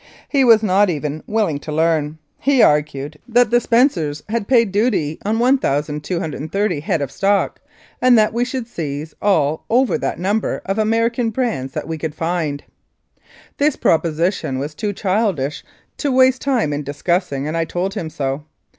He was not even will ing to learn. He argued that the Spencers had paid L 169 Mounted Police Life in Canada duty on 1,230 head of stock, and that we should seize all over that number of American brands that we could find. This proposition was too childish to waste time in discussing, and I told him so.